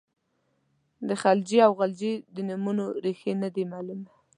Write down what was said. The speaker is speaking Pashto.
د خلجي او غلجي د نومونو ریښه نه ده معلومه.